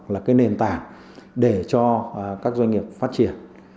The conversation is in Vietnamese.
là cái nền tảng để cho các doanh nghiệp phát triển